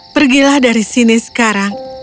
pergilah dari sini sekarang